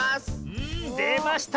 うんでました！